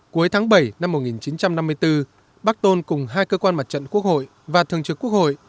cuối tháng bảy năm một nghìn chín trăm năm mươi bốn bắc tôn cùng hai cơ quan mặt trận quốc hội và thường trực quốc hội